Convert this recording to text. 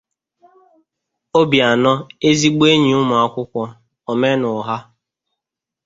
Obianọ, Ezigbo Enyi Ụmụakwụkwọ — Omenugha